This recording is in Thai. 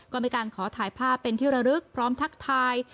ก็มีการขอถ่ายภาพเป็นที่ระลึกพร้อมทักทาย